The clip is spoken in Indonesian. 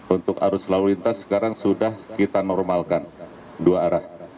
untuk arus lalu lintas sekarang sudah kita normalkan dua arah